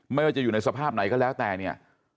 ไม่ว่าจะอยู่ในสภาพไหนก็แล้วแต่เนี่ย